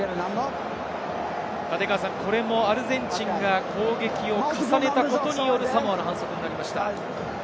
これもアルゼンチンが攻撃を重ねたことによるサモアの反則になりました。